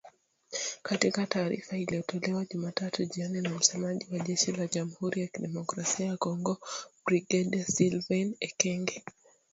Katika taarifa iliyotolewa Jumatatu jioni na msemaji wa jeshi la Jamhuri ya kidemokrasia ya Kongo Brigedia Sylvain Ekenge.